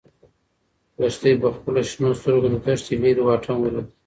لښتې په خپلو شنه سترګو کې د دښتې لیرې واټن ولید.